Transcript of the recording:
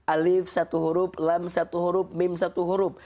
alif satu huruf lam satu huruf mim satu huruf